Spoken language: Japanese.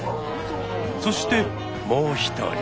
そしてもう一人。